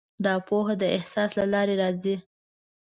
دا پوهه د احساس له لارې راځي.